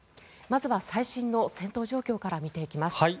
まずは最新の戦闘状況から見ていきます。